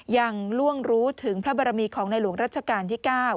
ล่วงรู้ถึงพระบรมีของในหลวงรัชกาลที่๙